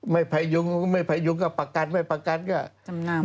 ไม่ไภยุงไม่ไภยุงก็ประกันไม่ประกันก็